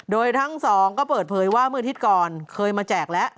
โดยทั้งสองก็เปิดเผยว่าเมื่ออาทิตย์ก่อนเคยมาแจกแล้ว